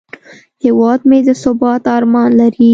هیواد مې د ثبات ارمان لري